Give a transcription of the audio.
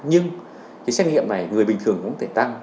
nhưng cái xét nghiệm này người bình thường cũng có thể tăng